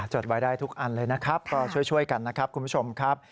จดไว้ได้ทุกอันเลยนะครับก็ช่วยกันนะครับคุณผู้ชมครับ